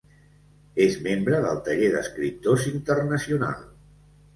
És membre del Taller d’Escriptors Internacional.